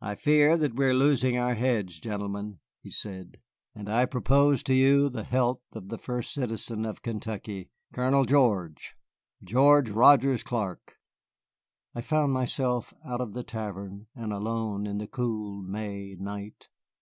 "I fear that we are losing our heads, gentlemen," he said; "and I propose to you the health of the first citizen of Kentucky, Colonel George George Rogers Clark." I found myself out of the tavern and alone in the cool May night.